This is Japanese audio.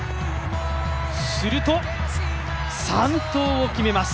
すると、三盗を決めます。